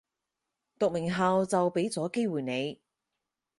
讀名校就畀咗機會你